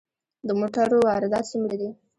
د موټرو واردات څومره دي؟